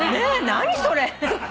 何それ？